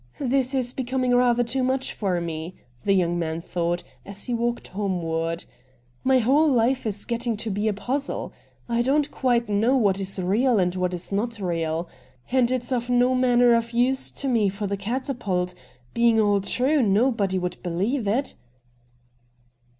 ' This is becoming rather too much for me,' tlie young man thought, as he walked home ward. ' My whole life is getting to be a puzzle. I don't quite know what is real and what is not real. And it's of no manner of use to me for the " Catapult "— being all true nobody would believe it.'